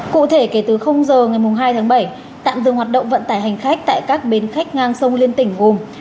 cụ thể kể từ giờ ngày hai tháng bảy tạm dừng hoạt động vận tải hành khách tại các bến khách ngang sông liên tỉnh gồm